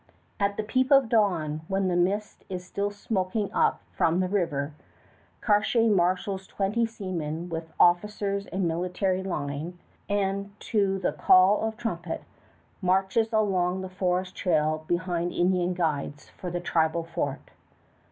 At peep of dawn, while the mist is still smoking up from the river, Cartier marshals twenty seamen with officers in military line, and, to the call of trumpet, marches along the forest trail behind Indian guides for the tribal fort.